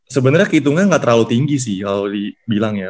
sebenernya kehitungan gak terlalu tinggi sih kalau dibilang ya